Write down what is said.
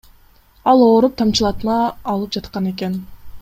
Ал ооруп, тамчылатма алып жаткан экен.